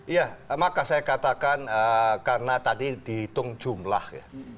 iya maka saya katakan karena tadi dihitung jumlah ya